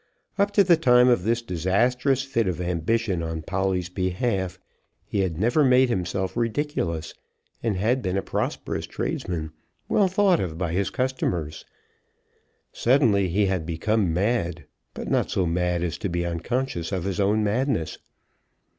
Up to the time of this disastrous fit of ambition on Polly's behalf he had never made himself ridiculous, and had been a prosperous tradesman, well thought of by his customers. Suddenly he had become mad, but not so mad as to be unconscious of his own madness.